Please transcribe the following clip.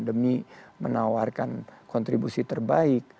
demi menawarkan kontribusi